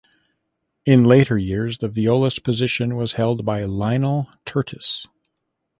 In later years the violist position was held by Lionel Tertis.